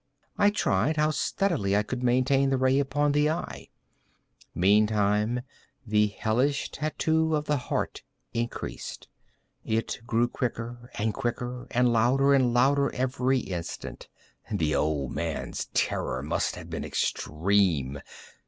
I tried how steadily I could maintain the ray upon the eve. Meantime the hellish tattoo of the heart increased. It grew quicker and quicker, and louder and louder every instant. The old man's terror must have been extreme!